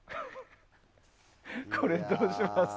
これ、どうします？